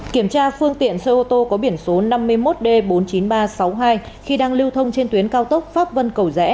kiểm tra phương tiện xe ô tô có biển số năm mươi một d bốn mươi chín nghìn ba trăm sáu mươi hai khi đang lưu thông trên tuyến cao tốc pháp vân cầu rẽ